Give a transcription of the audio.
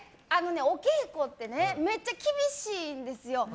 お稽古ってめっちゃ厳しいんですよ。